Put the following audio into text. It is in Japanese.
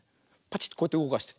パチッてこうやってうごかして。